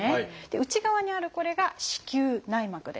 内側にあるこれが「子宮内膜」です。